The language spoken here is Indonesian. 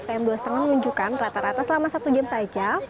pm dua lima menunjukkan rata rata selama satu jam saja